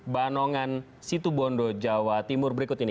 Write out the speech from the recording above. banongan situbondo jawa timur berikut ini